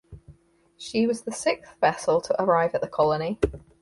She was the sixth vessel to arrive at the Colony.